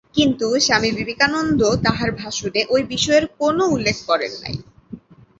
কিন্তু স্বামী বিবেকানন্দ তাঁহার ভাষণে ঐ বিষয়ের কোন উল্লেখ করেন নাই।